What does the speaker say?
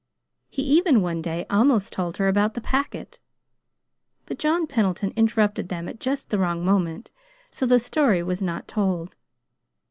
He even one day almost told her about The Packet; but John Pendleton interrupted them at just the wrong moment, so the story was not told.